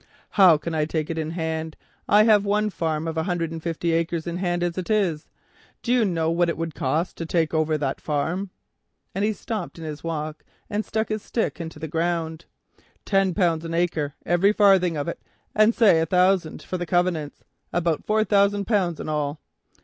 "How can I take it in hand? I have one farm of a hundred and fifty acres in hand as it is. Do you know what it would cost to take over that farm?" and he stopped in his walk and struck his stick into the ground. "Ten pounds an acre, every farthing of it—and say a thousand for the covenants—about four thousand pounds in all.